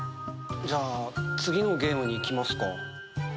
じゃあ次のゲームにいきますか。